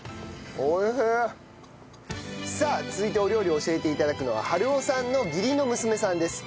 さあ続いてお料理を教えて頂くのは治夫さんの義理の娘さんです。